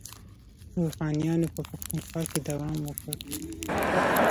روښانیانو په پښتونخوا کې دوام وکړ.